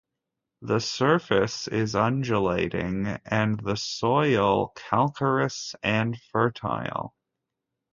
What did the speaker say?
The surface is undulating, and the soil calcareous and fertile.